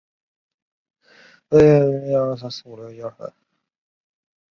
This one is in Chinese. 鲍尔斯是位于美国加利福尼亚州弗雷斯诺县的一个人口普查指定地区。